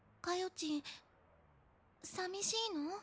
ちんさみしいの？